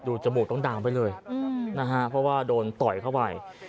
จมูกต้องดามไปเลยนะฮะเพราะว่าโดนต่อยเข้าไป